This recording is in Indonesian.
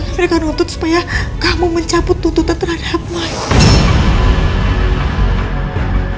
mereka nutut supaya kamu mencampur tuntutan terhadap mike